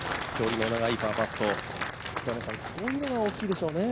こういうのが大きいでしょうね。